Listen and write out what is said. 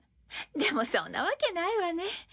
でもそんなわけないわね。